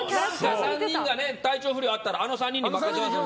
３人、体調不良があったらあの３人に任せますので。